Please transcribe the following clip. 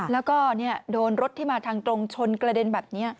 แล้วก็โดนรถที่มาทางตรงชนกระเด็นแบบนี้